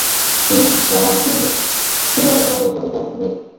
তিনি খিত্তাশিলচরের জমিদার মীর মাহমুদের বাড়িতে আশ্রয় গ্রহণ করেন।